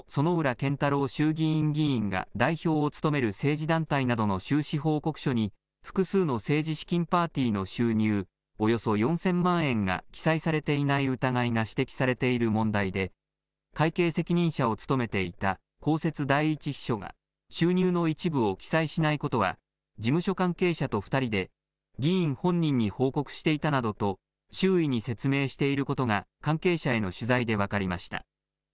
健太郎衆議院議員が代表を務める政治団体などの収支報告書に複数の政治資金パーティーの収入、およそ４０００万円が記載されていない疑いが指摘されている問題で、会計責任者を務めていた公設第１秘書が、収入の一部を記載しないことは、事務所関係者と２人で議員本人に報告していたなどと、周囲に説明していることが関係者への取材で分かりました。